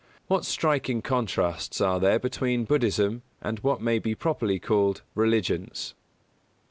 _What striking contrasts are there between Buddhism and what may be properly called "religions"?